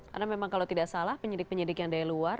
karena memang kalau tidak salah penyidik penyidik yang dari luar